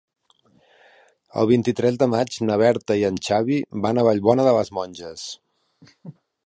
El vint-i-tres de maig na Berta i en Xavi van a Vallbona de les Monges.